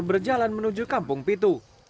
berjalan menuju kampung pitu